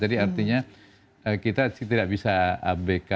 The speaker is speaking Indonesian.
jadi artinya kita tidak bisa ambilkan narkotik